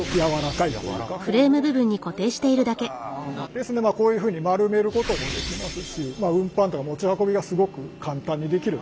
ですんでまあこういうふうに丸めることもできますし運搬とか持ち運びがすごく簡単にできる。